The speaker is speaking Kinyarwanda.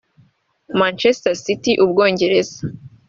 Manchester City (u Bwongereza)